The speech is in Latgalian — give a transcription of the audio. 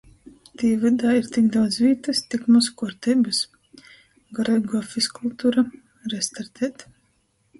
Tī vydā ir tik daudz vītys, tik moz kuorteibys. Goreiguo fizkultura. Restartēt.